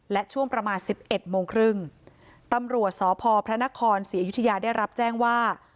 และช่วงประมาณสิบเอ็ดโมงครึ่งตำรวจสพพระนครศรีอยุธยาได้รับแจ้งว่า